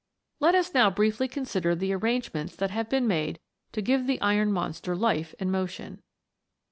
Let us now briefly consider the arrangements that have been made to give the iron monster life and motion.